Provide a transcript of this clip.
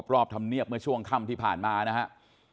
รอบธรรมเนียบเมื่อช่วงค่ำที่ผ่านมานะครับ